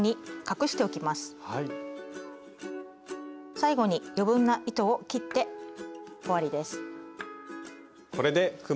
最後に余分な糸を切って終わりです。